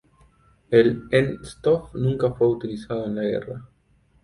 El N-stoff nunca fue utilizado en la guerra.